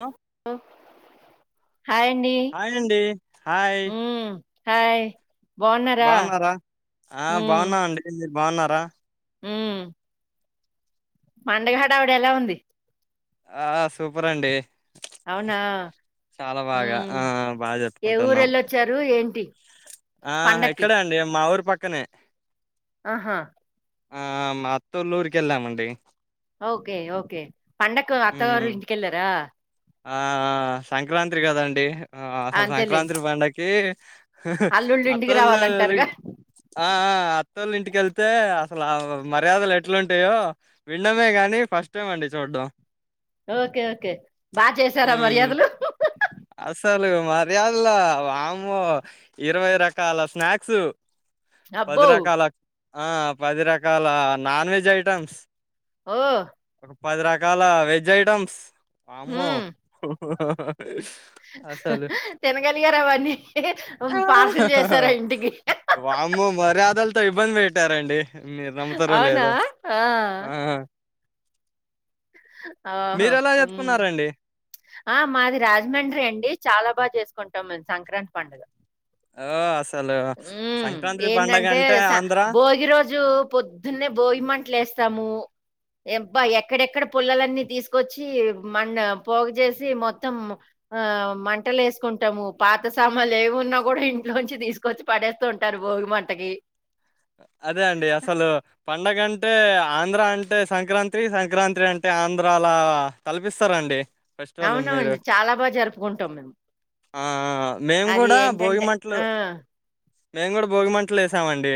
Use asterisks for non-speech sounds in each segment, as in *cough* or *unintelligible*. Hollow hello hi అండి hi ఉం hi బాగున్నారా ఆ బాగున్నా అండి మీరు బాగున్నారా ఉం పండుగ హడ వుడి ఎలా ఉంది ఆ సూపర్ అండి అవునా చాలా బాగా ఉమ్ ఆ బాగా జరుపు ఏ ఊరు కుంటున్నాం వెళ్ళొచ్చారు ఏంటి ఆ పండక్కి ఎక్కడ అండి మా ఊరు పక్కనే ఆహా ఆ మా అత్తల్లూరికి వెళ్ళామండి ఓకే ఓకే పండకు అత్తగారి మ్మ్ ఇంటి కెల్లార ఆ ఆ సంక్రాంతి కదండి అసలు అంతేలేండి సంక్రాంతి పండగకి అల్లుళ్ళు ఇంటికి అత్తోలురి రావాలంటారుగా ఆ అత్తోళ్ళ ఇంటికెళ్తే అసలు మర్యాదలు ఎట్లుంటాయో వినడమే గాని ఫస్ట్ టైం అండి చూడ్డం ఓకే ఓకే బాగ చేసారా మ్మ్ మర్యాదలు అసలు మర్యాదల వామ్మో ఇరవై రకాల స్నాక్స్ అబ్బో పది రకాల ఆ పది రకాల నాన్ వెజ్ ఐటమ్స్ ఓ ఒక పది రకాల వెజ్ ఐటమ్స్ వామ్మో అసలు తినగలిగారవన్నీ ఆ! పార్సల్ చేసారా ఇంటికి? వామ్మో మర్యాదలతో ఇబ్బంది పెట్టారండి మీరు నమ్ముతారో అవునా లేదో ఆ ఆ ఆహో మీరెలా ఉమ్ జరుపుకున్నారండి? ఆ మాది రాజమండ్రి అండి చాలా బాగా చేసుకుంటాం మేము సంక్రాంతి పండుగ. ఓ అస్ ఉమ్ ఏంటంటే స ఆంధ్ర భోగి రోజు పొద్దున్నే భోగి మంటలు ఏస్తా తము ఏం బా ఎక్కడెక్కడ పుల్లలన్నీ తీసుకొచ్చి మన్న పోగు చేసి మొత్తం ఆ మంటలు వేసుకుంటము, పాత సామాలు ఏవున్నా గుడ ఇంట్లో నుంచి తీసుక్ కొచ్చి పడేస్తూ ఉంటారు భోగి మంటకి అదే అండి అసలు పండగంటే ఆంధ్ర అంటే సంక్రాంతి, సంక్రాంతి అంటే ఆంధ్రలా తలపిస్తరండి అవునవుండి చాలా బాగా జరుపుకుంటాం మేము. ఆ మేము అది కూడా భోగి ఏంటంటే మంటలు ఆ! మేము కూడా భోగిమంటలు వేసామండి,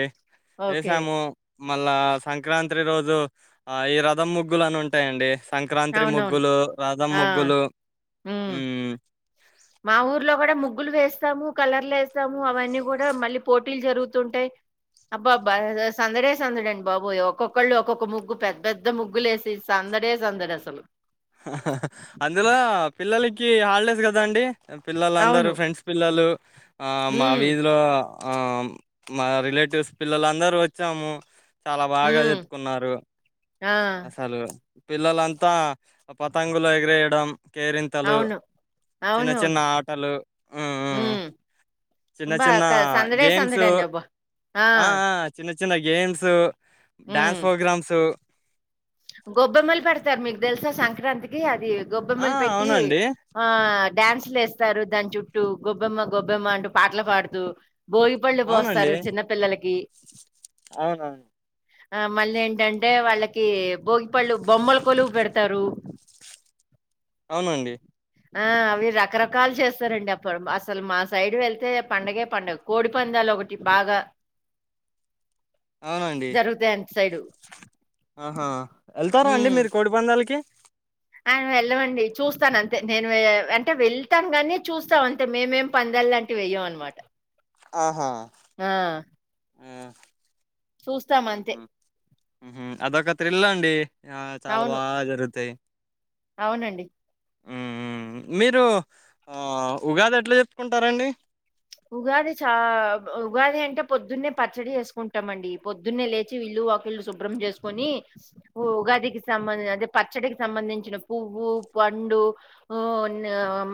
ఓకే. వేసాము. మళ్ళా సంక్రాంతి రోజు ఆ ఈ రథం ముగ్గులు అని ఉంటాయండి. సంక్రాంత్రీ అవునవును. ముగ్గులు, రాధం ఆ! ముగ్గులు, హ్మ్. ఉమ్ మా ఊర్లో కూడా ముగ్గులు వేస్తాము. కలర్లు ఏస్తాము అవన్నీ కూడా మళ్ళీ పోటీలు జరుగుతుంటయి అబ్బాబ్బ సందడే సందడి అండి బాబోయ్, ఒక్కొక్కళ్ళు ఒక్కొక్క ముగ్గు పెద్ద పెద్ద ముగ్గులేసి సం సందడే సందడి అసలు అందులో పిల్లలకి హాలిడేస్ కదా అండి. పిల్లలు అందరు అవును. ఫ్రెండ్స్ పిల్లలు ఆ మా హ్మ్. వీధిలో, ఆ మా రిలేటివ్స్ పిల్లలుందరూ వచ్చాము. చాలా బాగా హ్మ్. చెప్పుకున్నారు ఆ! అసలు పిల్లలంతా పతంగులు ఎగిరేయడం. కేరింతలు, అవును. చిన్న చిన్న అవునవును. ఆటలు ఉమ్ ఉమ్ హ్మ్. చిన్న అబ్బా! చిన్న క సందడే గేమ్స్ సందడండి అబ్బా! ఆ ఆ చిన్న చి చిన్న గేమ్స్, హ్మ్. డ్యాన్స్ ప్రోగ్రామ్స్ గొబ్బెమ్మలు పెడతారు మీకు తెలుసా సంక్రాంతికి అది ఆ గొబ్బెమ్మలు పెట్టి అవునండి ఆ డ్యాన్సులేస్తారు దాని చుట్టూ, గొబ్బెమ్మ గొబ్బెమ్మ అంటూ పాటలు పాడుతూ భోగిపళ్ళు అవునండి పోస్తారు చిన్న పిల్లలకి. అవునవును ఆ మళ్ళీ ఏంటంటే వాళ్ళకి భోగిపళ్ళు, బొమ్మల కొలువు పెడతారు. అవునండి ఆ అవి రకరకాలు చేస్తారండి అప్పుడు, అసలు మా సైడ్ వెళ్తే పండగే పండుగ, కోడి పంద లు ఒకటి బాగా అవునండి జరుగుతాయి అంత సైడు ఆహా ఎళ్తారా అండి మీరు కోడి పందాలకి? ఆ వెళ్ళమండి చూస్తాను అంతే నేను వె అంటే వెళ్తాను గానీ చూస్తాం అంతే, మేమేం పందాల్ లాంటి వెయ్యం అనమాట. ఆహా చూస్తాంఅంతే ఆహా అదొక తథ్రిల్ అండి ఆ చాలా అవును. బాగా జరుగుతాయి అవునండి మీరు ఉగాది ఎట్లా చెప్పుకుంటారంండి ఉగాది చ ఉగాది అంటే పొద్దున్నే పచ్చడి చేసుకుంటామండి పొద్దున్నే లేచి వీల్లుు వాకిళ్లు శుభ్రం చేసుకొని ఉగాదికి సంబంధించ అదే పచ్చడికి సంబంధించిన పువ్ ండు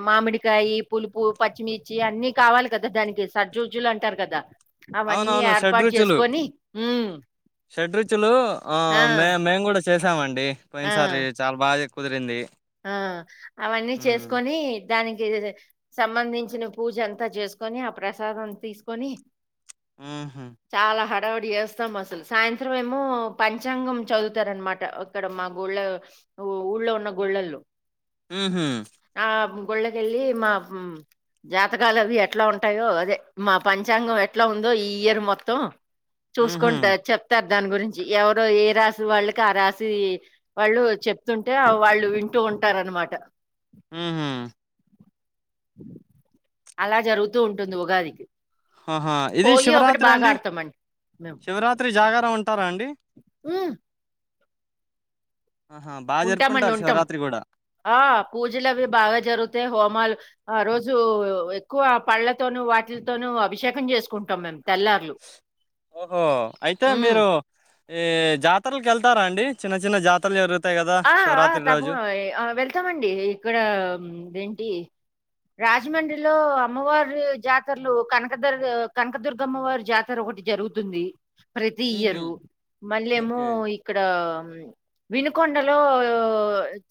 మామిడికాయ పులుపు పచ్చిమిర్చి అన్ని కావాలి కదా దానికి సర్జూజులు అంటార్ కదా అవన్నీ అవునవును ఏర్పాటు షడ్రుచులు చేసుకొని హ్మ్. షడ్రుచులు ఆ మే మేము కూడ చేసామండి ఆ! పోయినసారి చాలా బాగా కుదిరింది ఆ అవన్నీ ఉమ్ చేసుకొని దానికి సంబంధించిన పూజ అంత చేసుకొని ఆ ప్రసాదం తీసుకొని మ్ హడావడి చేస్తాం అసలు సాయంత్రం ఏమో పంచాంగం చదువుతారనమాట అక్కడ మా గుళ్ళ ఉ ఊళ్ళో వున్న గళ్లు ఊహు గుళ్ళకెళ్ళి మా జాతకాలు అవి ఎట్ల ఉంటాయో అదే మా పంచాంగం ఎట్లా ఉందో ఈ ఇయర్ మొత్తం ఉహు చూసుకుంట చెప్తారు దాని గురించి ఎవరో ఏ రాశి వాళ్ళకి ఆ రాశి వాళ్ళు చెప్తుంటే వాళ్ళు వీళ్లు వింటూ ఉంటారనమాట ఊహు అలా జరుగుతూ ఉంటది ఉగాదికి ఆహా ఇది హోలీ ఒకటి శివరాత్రి బాగా అండి ఆడతామండి మేము. శివరాత్రి జాగారం ఉంటార అండి హు ఆహా బాగా ఉంటామండి జరుపుకుంటారు ఉంటాం శివరాత్రి కూడా ఆ పూజలు అవి బాగ జరుగుతాయి హోమాలు ఆ రోజు ఎక్కువ పళ్ళతోనూ వాటిలతోనూ అభిషేకం చేసుకుంటాం మేము తెల్లార్లు. ఓహో అయితే హ్మ్. మీరు ఈ జాతరలకి వెళ్తారా అండి చిన్న చిన్న జాతరలు జరుగ్ ఆ తప్ప ఆ వెళ్తామండి ఇక్కడదేంటి రాజమండ్రిలో అమ్మవారి జాతరలు కనకదుర్గ కనకదుర్గ అమ్మవారి జాతర ఒకటి జరుగుతుంది ప్రతి హుహు. ఇయరు మళ్ళేమో ఓకే. ఇక్కడ కొొండలో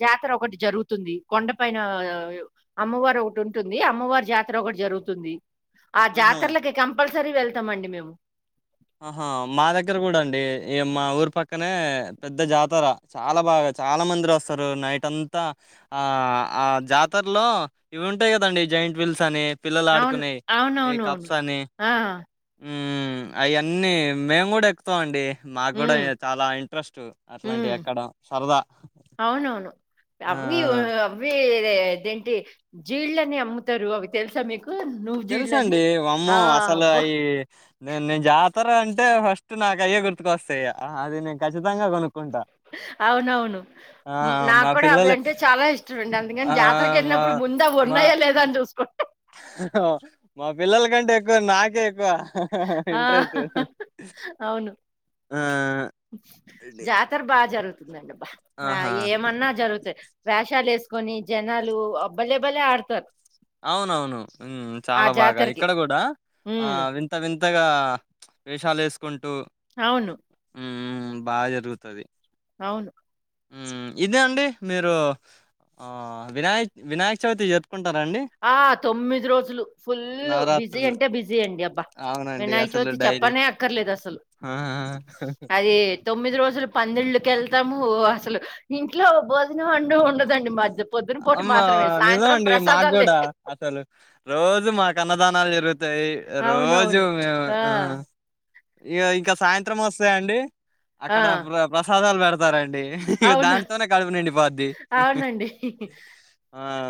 జాతర ఒకటి జరుగుతుంది కొండ పైన అమ్మవారు ఒకటి ఉంటుంది అమ్మవారి జాతర ఒకటి జరుగుతుంది ఆ ఆహా! జాతరలకి కంపల్సరీ వెళ్తామండి మేము ఆహా మా దగ్గర కూడ అండి ఈ మా ఊరు పక్కనే పెద్ద జాతర చాలా బాగ చాలా మందిరస్తారు నైట్ అంతా ఆ ఆ జాతరలో ఇవి ఉంటాయి కదండి జయింట్ విీల్స్ అని పిల్లలు అవును. ఆడుకునేయి ఈ అవునవునవును. కప్స్ అని ఆ! అవి అన్నీ మేమ్ కూడ ఎక్కుతామండి మాక్ కూడ హ్మ్. చాలా ఇంట్రెస్ట్ అట్లాంటివి హ్మ్. ఎక్కడం సరదా అవునవును. ఆ! అవి ఆ! అవిదేంటి జీళ్ళని అమ్ముతారు అవి తెలుసా మీకు నువ్వు జీళ్ళని. తెలుసండి ఆ! వామ్మో అసలు అబ్బో! అవి నే నేను జా ఉత్తర అంటే ఫస్ట్ నాకు అయ్యే గుర్తుక వస్తాయి అది నేను ఖచ్చితంగా కొనుక్కుంటా అవునవును ఆ! మా నాకు కూడ అవి పిల్లలు అంటే చాలా ఇష్టమ అండి అందుకని ఆ! జాతరకు వెళ్ళినప్పుడు ముందు అవ్వ ఉన్నయా లేద అని చూసుకోం అవును మా పిల్లల కంటే ఎక్కువ నాకే ఎక్కువ ఆ! ఇంట్రెస్ట్ అవును. ఆ! ఇది జాతర బా జరు ఆ ఆహా! ఏమన్నా జరుగుతయి వేషాలెసుకొని జనాలు ఆ భలే భలే ఆడతారు. అవునవును హ్మ్ ఆ చాలా బాగా జాతరకి. ఇక్కడ కుడా ఆ హ్మ్. వింత వింతగా వేషాలెసుకుం అవును హ్మ్ బా జరుగుతది అవును హ్మ్ ఇదే అండి మీరు ఆ వినాయక్ వినాయక్ చవితి జరుపుకుంటారం ఆ తొమ్మిది రోజులు ఫుల్లు బిజీ నవరాత్రులు అంటే బిజీ అండి అబ్బా అవునండి వినాయక అసలు చవితి డైలీ చెప్పనే అక్కర్లేదు అసలు అది తొమ్మిది రోజు అసలు పదింల్లుకెళ్తాము అసలు ఇంట్లో బో అంటు ఉండదండి మధ్య పొద్దున పూట మాత్రమే సాయంత్రం ప్రసాద లే అతను రోజు మాకన్నదానాలె జరుగు తయి రోజు అవునవును. మేము ఆ ఇగ ఇంకా సాయంత్రం వస్తాయండి. ఆ! అక్కడ ప్ర ప్రసాదాలు పెడతారండి ఇగ అవును. దాంతోనే కడుపునిండి పోత్ది అవునండి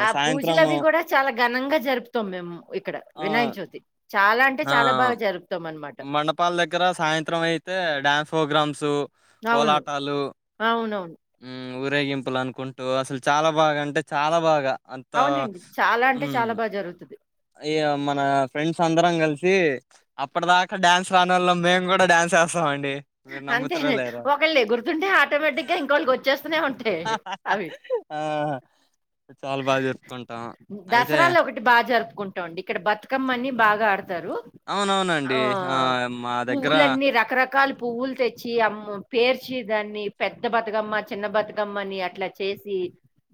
ఆ పూజలు సాయంత్రము అవి కూడా చాలా ఘనంగా జరుపుతం మేము ఇక్కడ ఆ వినాయక చవితి చాలా అంటే ఆ చాలా బాగా జరుపుతం మండపాల దగ్గర సాయంత్రం అయితే డ్యాన్స్ ప్రోగ్రామ్స్ అవును. కోలాటాలు అవునవును. హ్మ్ ఊరేగింపులు అనుకుంటూ అసల్ చాలా బాగా అంటే చాలా బాగా అంత అవునండి చాలా అంటే చాలా బాగా జరుగుతుంది అయ్యో మన ఫ్రెండ్స్ అందరం కలిసి అప్పటి దాకా డ్యాన్స్ రానోళ్ళమ్ మేము కుడా డ్యాన్స్ *unintelligible* అండి అంతేనండి ఒకళ్ ఎగురుతుంటే ఆటోమేటిక్ గా ఇంకోళ్ళక్ వచ్చేస్తూనే ఉంటయి అవి ఆహా ఆ చాలా బాగా జరుపుకుంటాం అయితే దసరాలో ఒకటి బా జరుపుకుం ఇక్కడ బతుకమ్మని బాగా ఆడు కుంటారు ఆ అవునవునండి మా దగ్గర పువ్వులన్నీ రకరకాల్ తెచ్చి అమ్ము పేర్చి దాన్ని పెద్ద బతుకమ్మ చిన్న బతుకమ్మని అట్లా చేసి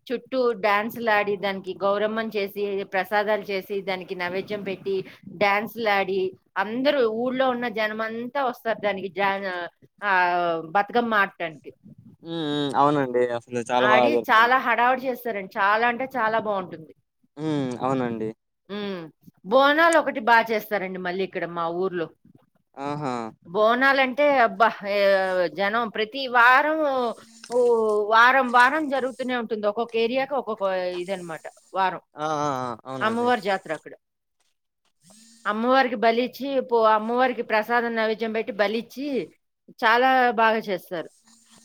చుట్టూ డ్యాన్సులడి దానికి గౌరమ్మను చేసి ప్రసాదాలు చేసి దానికి నైవేద్యం పెట్టి డ్యాన్స్ లాడి అందరూ ఊళ్లో ఉన్న జనం అంతా వస్తరు దానికి జాను ఆ బతుకమ్మ ఆడ్డానికి మ్మ్ హు అవునండి అసలు చాలా బాగా ఆడి చాలా జరుపుకుంటాం హడావుడి చేస్తరు చాలా అంటే చాలా బాగుంటుంది. హ్మ్ అవునండి హ్మ్ బోనాలోకటి బాగా చేస్తరండి మళ్ళీ ఇక్కడ మా ఊర్లో ఆహా బోనాలం టే అబ్బా ఏయ్ జనం ప్రతి వారం ఓ వారం వారం జరుగుతూనే ఉంటుంది ఒక్కొకెరియాకు ఒక్కొక్క ఇదనమాట వారం ఆ ఆ ఆ అవునండి అమ్మవార్ జాత్ర అక్కడ అమ్మవారికి బలిచ్చి పో అమ్మవారికి ప్రసాదం నైవేద్యం పెట్టి బలిచ్చి చాలా బాగా చేస్తారు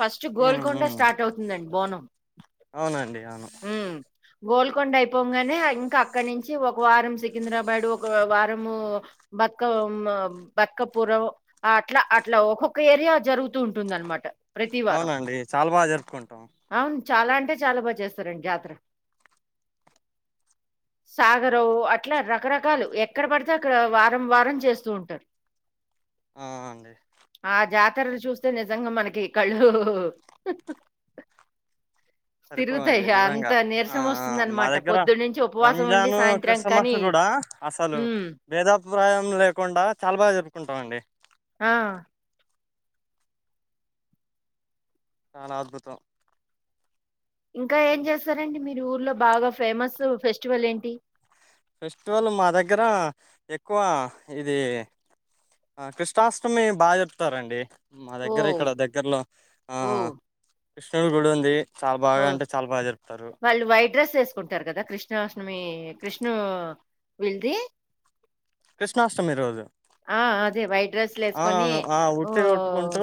ఫస్ట్ ఉమ్ గోల్కొండ ఉమ్ స్టార్ట్ అవుతుందండి బోనం అవునండి అవును హ్మ్. గోల్కొండ అయిపోగానే ఇంకా అక్కడ నుంచి ఒక వారం సికింద్రాబాడు ఒక వారము బతుకమ్మ బతకపురం అట్లా అట్లా ఒక్కొక్క ఏరియా జరుగుతూ ఉంటుంది అనమాట అవునండి చాలా బాగా జరుపుకుంటాం అవును. చాలా అంటే చాలా బాగా చేస్తారండి జాతర *inaudible* సాగర్ అట్లా రకరకాలు ఎక్కడ పడితే అక్కడ వారం వారం చేస్తూ ఉంటారు ఆ అండి ఇతరలు చూస్తే నిజంగా మనకి కళ్ళు *inaudible* తిరుగుతాయి. సరిపోవండి అంత నిజంగా ఆ నీరసం మా వస్తుందనమాట. దగ్గర పొద్దున్నుంచి ఉపవాసం ఉండి రంజాన్ సాయంత్రం కానీ క్రిస్మస్ కూడా అసలు హ్మ్. భేదాభిప్రాయం లేకుండా చాలా బాగా జరుపుకుంటామండి ఆ చానా అద్భుతం ఇంకా ఏం చేస్తారండి మీరు ఊర్లో బాగా ఫేమస్ ఫెస్టివల్ ఏంటి ఫెస్టివల్ మా దగ్గర ఎక్కువ ఇది ఆ కృష్ణాష్టమి బాగా జరుపుతారండీ మా దగ్గర ఓహ్! ఇక్కడ దగ్గరలో ఆ కృష్ణుల గుడి ఉంది చాలా ఓ బాగా అంటే చాలా బాగా జరుపుతారు వాళ్ళు వైట్ డ్రెస్ వేసుకుంటారు కదా కృష్ కృష్ణాష్టమి కృష్ణు వీల్ది కృష్ణాష్టమి రోజు అదే వైట్ డ్రెస్‌లేసుకొని అవునవును ఆ ఉట్టి కొట్టుకుంటూ ఓహ్!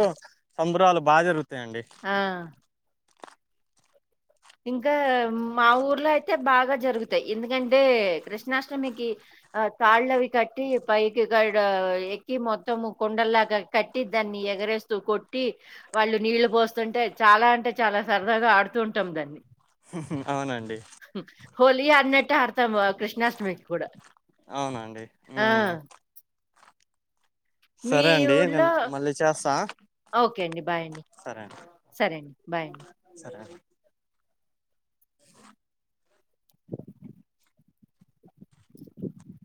సంబరాలు బాగా జరుగుతాయండి ఆ ఇంకా మా ఊర్లో అయితే బాగా జరుగుతాయి ఎందుకంటే కృష్ణాష్టమికి ఆ తాళ్ళవి కట్టి పైకి ఈడ ఎక్కి మొత్తము కుండల్లాగా కట్టి దాన్ని ఎగరేస్తూ కొట్టి వాళ్ళు నీళ్లు పోస్తుంటే చాలా అంటే చాలా సరదాగా ఆడుతు ఇష్టం దాన్ని హాహా అవునండి హోలీ ఆడినట్టు ఆడతాం కృష్ణాష్టమీకి కూడా అవునండి ఆ ఉమ్ మీ సరే అండి ఊర్లో నేను మళ్ళీ చేస్తా ఓకే అండి బాయ్ అండి సరే అండి బాయ్ అండి సరేనండి *inaudible*